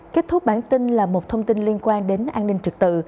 kết thúc bản tin là một thông tin liên quan đến an ninh trực tự